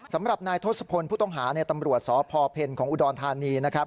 สำหรับนายทศพลผู้ต้องหาตำรวจสพเพ็ญของอุดรธานีนะครับ